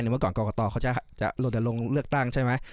เมื่อก่อนกรกตเขาจะลนลงเลือกตั้งใช่ไหม